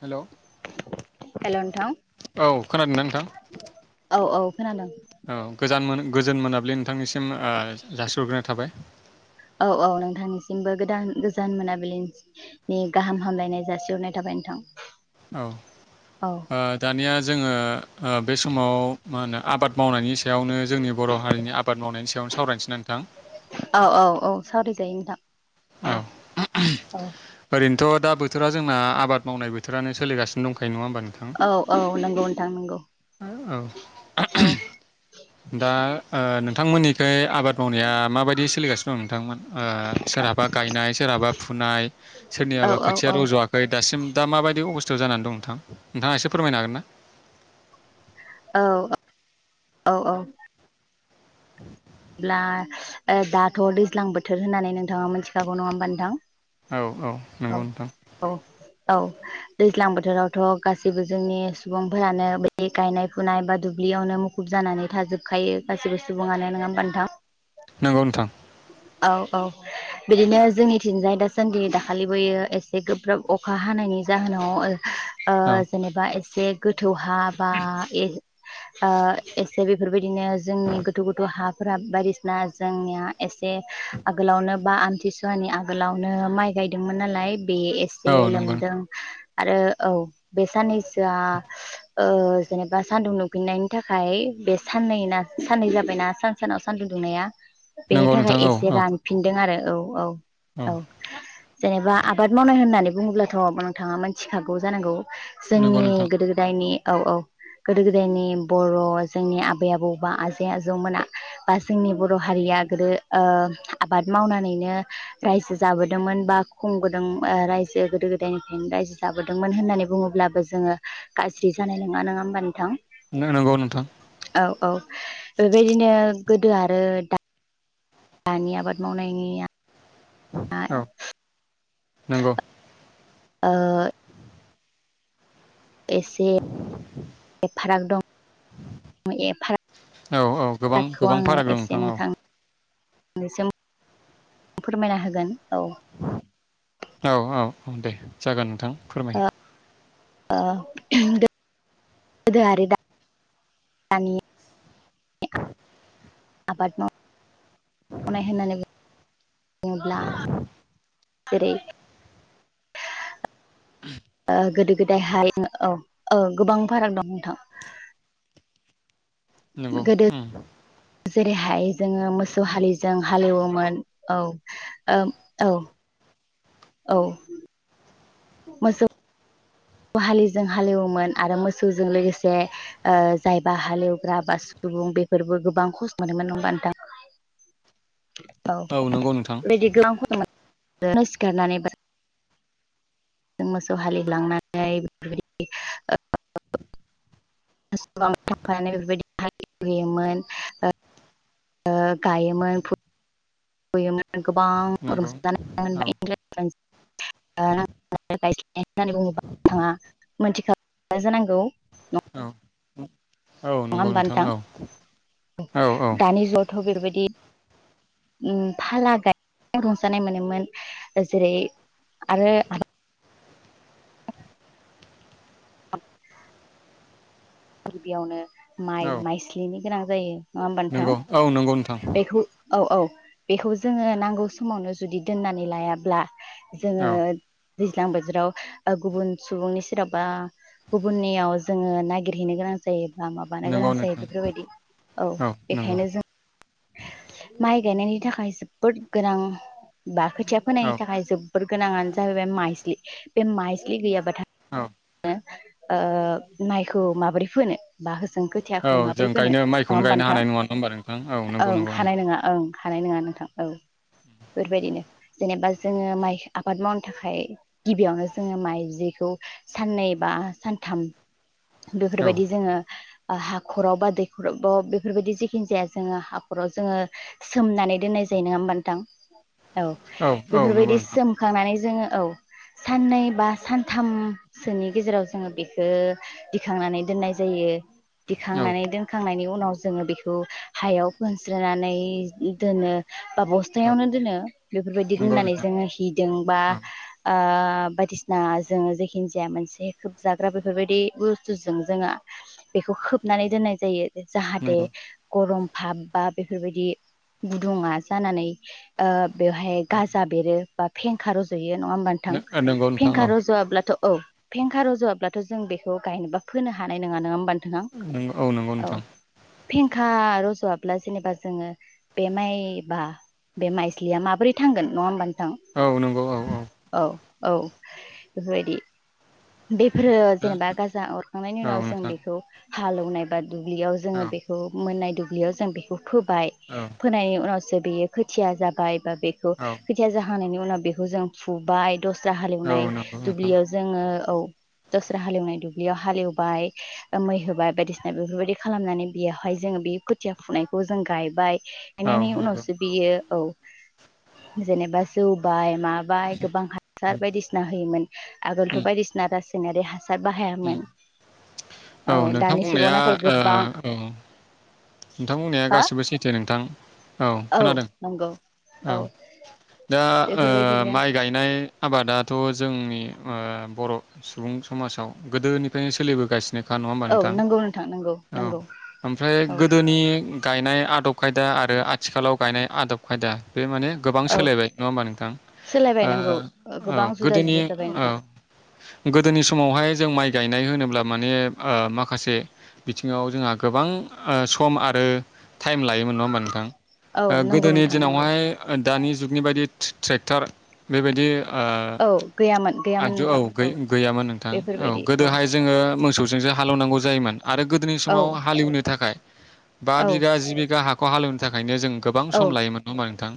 Hello hello नोंथां औ खोनादोंना नोंथां औ औ खोनादों औ गोजान गोजोन मोनाबलि नोंथांनिसिम ओ जासिहरग्रोनाय थाबाय औ औ नोंथांनिसिमबो गोदान गोजान मोनाबिलिनि गाहाम हामलायनाय जासिहरनाय थाबाय नोथां औ ओ दानिया जोङो बे समाव मा होनो आबाद मावनायनि सायावनो जोंनि बर' हारिनि आबाद मावनायनि सायावनो सावरायनोसै ना नोंथां औ औ औ सावरायजायो नोंथां औ औ ओरैनो थ' दा बोथोरा जोंना आबाद मावनाय बोथारानो सोलिगासिनो दंखायो नङा होम औ औ नंगौ नोंथां नंगौ औ दा नोंथांमोननिखै आबाद मावनाया माबायदि सोलिगासिनो दं नोंथांमोन ओ सोरहाबा गायनाय सोरहाबा फुनाय औ सोरनियाबा औ खोथिया औ रज'वाखै दासिम दा माबायदि अबस्थायाव जानानै दं नोंथां नोंथाङा एसे फोरमायनो हागोन ना औ औ औ औ अब्ला दाथ' दैज्लां बोथोर होननानै नोंथाङा मिथिखागौ नङा होमबा नोंथां औ औ नंगौ नोंथां औ औ दैज्लां बोथोरावथ' गासैबो जोंनि सुबुंफोरानो बे गायनाय फुनाय बा दुब्लि दुब्लियावनो मुखुब जानानै थाजोबखायो गासिबो सुबुङानो नोंहा होनबा नोंथां? नंगौ नोंथां। औ औ बिदिनो जोंनिथिजाय दासान्दि दाखालिबोयो एसे गोब्राब अखा हानायनि नि जाहोनाव ओ औ जेनेबा एसे गोथौ हा बा ओ एसे बेफोरबायदिनो जोंनि गोथौ गोथौ हाफोरा बायदिसिना जोंनिया एसे आगोलावनो बा आमथिसुवानि आगोलावनो माइ गायदोंमोन नालाय। बे एसे औ नंगौ लोमदों। आरो औ बे साननैसोआ ओ जेनेबा सानदुं दुंफिननायनि थाखाय बे साननैना साननै जाबायना सान सानाव सानदुं दुंनाया बेनि नंगौ थाखाय नोंथां औ एसे औ रानफिनदों आरो औ औ औ जेनेबा आबाद मावनाय होननानै बुङोब्लाथ' नोंथाङा मोनथिखागौ जानांगौ नंगौ जोंनि नोंथां गोदो गोदायनि औ औ गोदो गोदायनि बर' जोंनि आबै आबौ बा आजै आजौमोना बा जोंनि बर' हारिया गोदो ओ आबाद मावनानैनो रायजो जाबोदोंमोन बा खमबोदों जे गोदो गोदायनिफ्रायनो रायजो जाबोदोंमोन होननानै बुङोब्लाबो जोङो गाज्रि जानाय नोङा नङा होमबा नोंथां नंगौ नोंथां औ औ बेबायदिनो गोदो आरो दा दानि आबाद मावनायनिया औ नंगौ ओ एसे। ए फाराग दं ए फाराग। औ औ गोबां गोबां फाराग दं नोंथां औ से फोरमायना होगोन औ औ औ औ दे जागोन नोंथां फोरमाय ओ गोदोआरि दा दानि आबाद माव मावनाय होननानै बुङोब्ला जेरै [inaudible] ओ गोदो गोदाय ह औ औ गोबां फाराग दं नोंथां नंगौ गोदो उम जेरैहाय जोङो मोसौ हाललिजों हालेवोमोन औ उम औ [inaudible] औ मोसौ। हालिजों हालेवोमोन आरो मोसौजों लोगोसे ओ जायबा हालेवग्रा ब सुबुं बेफोरबो गोबां खस्थ' मोनोमोन नङा होमबा नोंथां [inaudible] औ नंगौ नोंथां बेदि फुङावनो सिखारनानै मोसौ हालि लांनानै बेफोरबायदि [unintelligible] ओ गायोमोन फु बुयोमोन गोबां नंगौ रंजानाय औ होननानै बुङोबा नोंथाङा मिथिख म जानांगौ औ औ नङा नंगौ नोंथां औ होनोमबानोथां औ औ दानि जुगावथ' बेफोरबायदि उम फाला गायनाय रंजानाय मोनोमोन जेरै आरो [unintelligible] [unintelligible] गिबियावनो औ माइ माइस्लिनि गोनां जायो नङा होमबानो नंगौ औ नंगौ नोंथां। औ औ बेखौ जोङो नांगौ समावनो जुदि दोननानै लायाब्ला जोङो औ दैज्लां बोथोराव गुबुन सुबुंनि सेराव बा गुबुननियाव जोङोनाय नागिरहैनो गोनां जायो बा माबानो नंगौ गोनां जायो नोंथां बेफोरबायदि औ बेखायनो जों [unintelligible] माइ गायनायनि थाखाय जोबोद गोनां बा खोथिया औ फोनायनि थाखाय जोबोर गोनाङानो जाहैबाय माइस्लि बे माइस्लि गैयाबाथाय औ। माइखौ माबोरै फोनो बा होजों खोथिया औ जों गायनो माइखौनो गायनो हानाय नङा ना ह होनबा नोंथां औ। नंगौ ओं नंगौ हानाय नोंथां नङा ओं हानाय नङा नोंथां औ। बेफोरबायदिनो जेनेबा जोङो माइ आबाद मावनो थाखाय गिबियावनो जोङो माइ जिखौ साननै बा सानथाम औ बेफोरबायदि जोङो हाख'राव बा दैखराव बेफोरबायदि जेखिनि जाया जोङो हाखराव जोङो सोमनानै दोननाय जायो नङा होमबा नोंथां? औ औ नंगौ बेफोरबायदि नोंथां सोमखांनानै जोङो औ। साननै बा सानथामसोनि गेजेराव जोङो बेखो दिखांनानै दोननाय जायो। औ दिखांनानै दोनखांनायनि उनाव जोङो बेखौ हायाव खोनस्रनानै दोनो बा औ बस्थायावनो दोनो बेफोरबायदि नंगौ होननानै नोंथां जोङो हिदों बा औ बायदिसिना जोङो जेखिनि जाया मोनसे खोब जाग्रा बेफोरबायदि बुस्थुजों जोङो बिखौ खोबनानै दोननाय जायो जाहाथे नंगौ गरम भाबबा बेफोरबादि गुदुङा जानानै बेवहाय गाजा बेरो बा फेंखा रज'यो बियो नङा होमबा नोथां। नंगौ नोंथां फेंखा रज'वाब्लाथ' औ, फेंखा रज'वाब्लाथ' जों बेखौ गायनोबा फोनो हानाय नङा नङा होमबा नोंथां। नोंगौ नोंथां। खा रज'वाब्ला जेनेबा जोङो बे माइबा बे माइस्लिया माबोरै थांगोन नङा होमबा नोंथां? औ नंगौ औ औ औ बेफोरबायदि। बेफोरो जेनेबा गाजा खांनायनि औ उनाव जों नोंथां बेखौ हालौवनाय बा दुब्लियाव जोङो औ बे बेखौ मोननाय दुब्लियाव जों बेखौ फोबाय औ फोनायनि उनावसो बेयो खोथिया जाबाय बा बेखौ औ खोथिया जाहानायनि उनाव बेखौ जों फुबाय दस्रा औ हालेवनाय नंगौ नोंथां दुब्लियाव जोङो औ। दस्रा हालेवनाय दुब्लियाव हालेवबाय मै होबाय बायदिसिना बेफोरबायदि खालामनानै बेयावहाय जोङो बे खुथिया फुनायखौ जों गायबाय औ गायनायनि नंगौ उनावसो बियो औ। जेनेबा जौबाय माबाय गोबां हासार बायदिसिना होयोमोन आगोलथ' बायदिसिना रासायनारि हासार बाहायामोन। औ नोंथां दानि जुगाव बुंनाया नाथाय औ। गोबां नोंथांमोननाया हा गासिबो सैथो नोंथां। औ खोनादों औ दा बेफोरबायदिनो माइ गायनाय आबादाथ' जोंनि बर' सुबुं समाजाव गोदोनिफ्रायनो सोलिबोगासिनो खा नङा होमबा औ नोंथां नंगौ नोंथां नंगौ औ नंगौ ओमफ्राय औ गोदोनि गायनाय आदब खायदा आरो आथिखालाव गायनाय आदब खायदा बे माने गोबां औ सोलायबाय नङा होमबा नोंथां सोलायबाय नंगौ गोबां औ जुदा गोदोनि जुदा जाबाय औ। नोंथां गोदोनि समावहाय जों माइ गायनाय होनोब्ला माने माखासे बिथिङाव जोंहा गोबां सम ओ आरो टाइम लायोमोन नङा होमबा नोंथां औ नंगौ गोदोनि नोंथां नंगौ दिनावहाय दानि जु गनि बायदि ट्रेक्टार बेबायदि ओ औ गैयामोन गैयामोन आगजु औ नोंथां गैयामोन नोंथां औ गोदोहाय जोङो मोसौजोंसो हालेवनांगौ जायोमोन। आरो गोदोनि औ समाव हालेवनो थाखाय बा औ बिगा, जि बिगा हाखौ हालेवनो थाखायनो जों गोबां औ सम लायोमोन नङाहोमबा नोंथां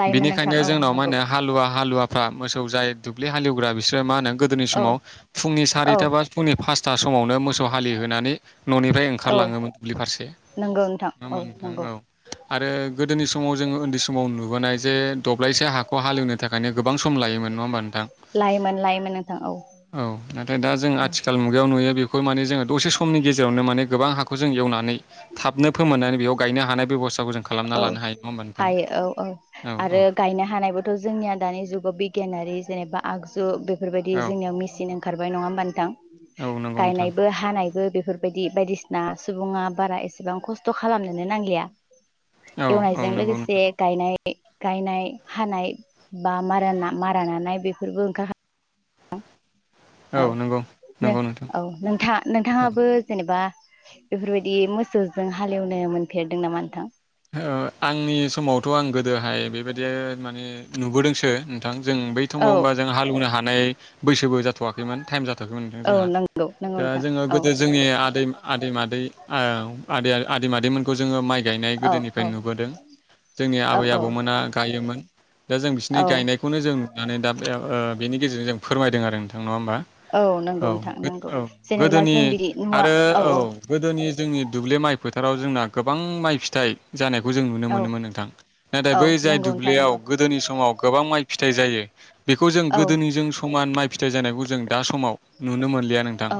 लायोमोन नोंथां बिनिखायनो औ जोंनाव मा नंगौ होनो हालुवा- हालुवा फ्रा मोसौ जाय दुब्लि हालेवग्रा बिसोरो मा होनों गोदोनि औ समाव फुंनि औ सारिथा बा फुंनि फासथा समावनो मोसौ हालिहोनानै न'निफ्राय औ ओंखारलाङोमोन दुब्लि फारसे नंगौ नोंथां नङा होमबा औ नोंथां? नंगौ औ आरो गोदोनि समाव जोङो उन्दै समाव नुबोनाय जे दब्लायसे हाखौ हालेवनो थाखायनो गोबां सम लायोमोन नङा होमबा नों थां लायोमोन लायोमोन नोंथां औ नाथाय दा जों औ आथिखाल मुगायाव दसे समनि गेजेरावनो माने गोबां हाखौजों एवनानै थाबनो फोमोननानै बेयाव गायनो हानाय बेबस्थाखौ जों खालामना औ लानो हायो नङा होमबा हायो औ औ नोंथां? औ आरो गायनो हानायबोथ' जोंनिया दानि जुगाव बिगियानारि जेनेबा आगजु बेफोरबायदि औ जोंनियाव मेसिन ओंखारबाय नङा होमबा नोंथां? औ नंगौ नोंथां गायनायबो हानायबो बेफोरबायदि बायदिसिना सुबुङा बारा एसेबां खस्थ' खालामनोनो नांलिया औ औ एवनायजों नंगौ लोगोसे नोंथां गायनाय गायनाय हानाय बा मार मारा नानाय बेफोरबो ओंखार नंगौ औ नंगौ नोंथां - औ नोंथां औ। नोंथाङाबो जेनेबा बेफोरबायदि मोसौजों हालेवनो मोनफेरदों नामा नोंथां? ओ आंनि समावथ' आं गोदोहाय बेबायदि माने नुबोदोंसो जों बै औ समाव होमबा जों हालौवनो हानाय बैसोबो जाथ'वाखैमोन टाइम जाथवाखैमोन औ जोंहा नंगौ नंगौ दा नोंथां जोङो औ गोदो जोंनि आदै आदै -मादै आदै -मादैमोनखौ जोङो माइ गायनाय औ गोदोनिफ्राय औ नुबोदों जोंनि औ आबै - औ आबौमोना गायोमोन दा जों बिसिनि औ गायनायखौनो जों नुनानै दा ओ बेनि गेजेरजों जों फोरमायदों आरो नोंथां नङा होनोमबा? नंगौ औ नोंथां नंगौ - औ जेनेबा गोदोनि जों बिदि मुवा आरो औ गोदोनि जोंनि दुब्लि माइ फोथाराव जोंना गोबां माइ फिथाइ जानाय जों नुनो औ मोनोमोन नोंथां नाथाय औ बै जाय नंगौ नोंथां दुब्लियाव नंगौ गोदोनि समाव गोबां माइ फ फिथाइ जायो बेखौ जों औ गोदोनिजों समान माइ फिथाइ जानायखौ जों दा समाव नुनो मोन गैया नोंथां औ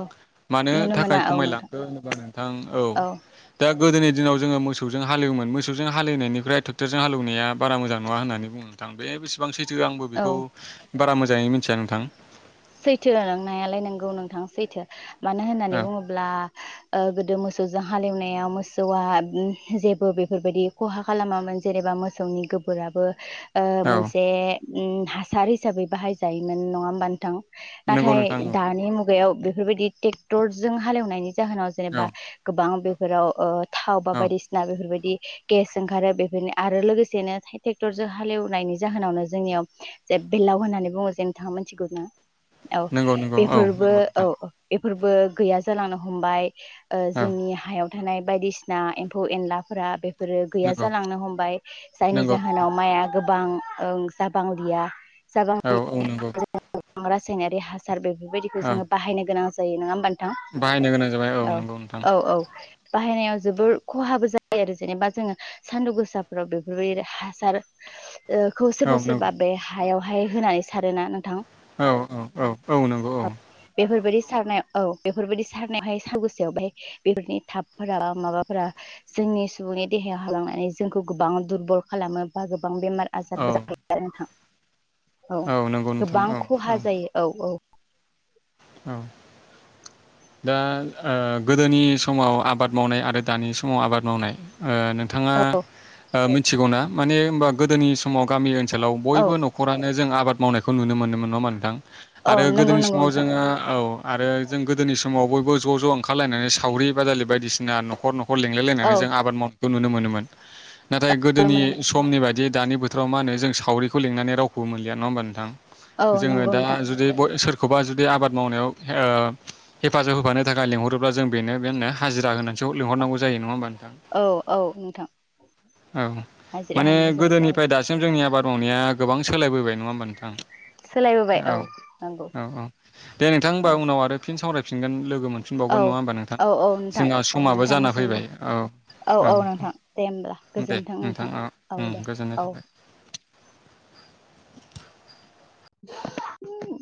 मानो नुनो थाखाय मोना औ नोंथां खमायलांखो होनोबा नोंथां औ दा गोदोनि दिनाव जोङो मोसौ मोसौजों हालेवोमोन मोसजों हेलेवनायनिफ्राय ट्रेक्टरजों हालेवनाया बारा मोजां नङा होननानै बुङो नोंथां बे बेसेबां सैथो? आंबो औ बेखौ बारा मोजाङै मिथिया नोंथां। सैथो नंनायालाय नोंगौ नोंथां सैथो। मानो होननानै औ बुङोब्ला ओ गोदो मोसौजों हालेवनायाव मो मोसौआ जेबो बेफोरबायदि खहा खालामामोन जेनेबा मोसौनि गोबोराबो ओ औ मोनसे उ हासार हिसाबै बाहायजायोमोन नङा होमबा नोंथां? नंगौ नाथाय नोंथां औ दानि मुगायाव बेफोरबायदि ट्रेक्टरजों हालेवनायनि जाहोनाव औ जेनेबा गोबां बेफोराव थाव बा औ बायदिसिना बेफोरबायदि गेस ओंखारो बेफोरनो आरो लोगोसेनो ट्रेक्टरजों हालेवनायनि जाहोनावनो जोंनियाव बेलाव होननानै बुङो जे नोंथाङा मोनथिगौ औ नंगौ नंगौ औ बेफोरबो नंगौ औ नोंथां औ फोरबो गैया जालांनो हमबाय ओ औ जोंनि हायाव थानाय बायदिसिना एम्फौ- एनलाफोरा बे रो गैया नंगौ जालांनो हमबाय जायनि नंगौ नोंथां जाहोनाव माइआ गोबां ओं जाबांलिया जाबां औ - औ नंगौ रासायनारि हासार बेफोरबायदिखौ औ जोङो बाहायनोगोनां जायो नङा होमबा? बाहायनो गोनां जाबाय औ नंगौ नोंथां - औ - औ बाहायनायाव जोबोर खहाबो जायो आरो जेनेबा जोङो सानदुं गोसाफोराव बेफोरबायदि हासार ओ खौ औ सोरबा नंगौ सोरबा बे हायावहाय होनानै सारोना नोंथां औ - औ - औ- औ नंगौ औ बेफोरबायदि सारनायाव औ बेफोरबायाददि सारनायावहाय सुसयाव बहाय बेफोरनि थाबफोरा माबाफोरा जों जोंनि सुबुंनि देहायाव हालांनानै जोंखौ गोबां दुरबल खालामो बा गोबां बेमार औ आजारबो [unintelligible] नोंथां औ नंगौ नोंथां गोबां औ खहा औ जायो औ औ औ दा ओ गोदोनि समाव आबाद मावनाय आरो दानि समाव आबाद मावनाय ओ नोंथाङा ओ मिथिगौना माने होनबा गोदोनि समाव गामि ओ ओनसोलाव औ बयबो न'खरानो जों आबाद मावनायखौ नुनो मोनोमोन नङा नोंथां आरो औ नंगौ गोदोनि नंगौ समाव नोंथां जोङो औ आरो जों गोदोनि समाव बयबो ज' ज' ओंखारलायनानै सावरि बादालि बायदिसिना ना न'खर न'खर लेंलाय औ लायनानै जों आबाद मावनायखौ नुनो मोनोमोन नाथाय नुनो गोदोनि मोनोमोन समनि बायदि दानि बोथोराव मा होनो जों सावरिखौ लिंनानै रावखौबो मोनलिया नङा होमबा नोंथां औ जोङो नंगौ दा नोंथां जुदि ब सोर बे आबाद मावनायाव ओ हेफाजाब होफानो थाखाय लिंहरोब्ला जों बेनो बे होननो हाजिरा होनानैसो‌ लिंहरनांगौ जायो नङा होमबानो औ औ नोंथां औ हाजिरा माने होनांगौ जायो औ गोदोनिफ्राय दासिम जोंनि आबाद र'निया गोबां सोलायबोबाय नङा होमबा नोंथां सोलायबोबाय औ नंगौ औ औ दे नोंथां औ होमबा उनाव आरो फिन सावरायफिनगोन लो गो औ मोनफिनबावगोन नङा होमबा नोंथां औ औ नोंथां जोंहा औ समाबो जाना नोंथांनिसिमबो फैबाय औ औ नोंथां दे होमब्ला दे गोजोन्थों नोंथां नोंथाङा औ उम दे गोजोननाय औ थाबाय [unintelligible]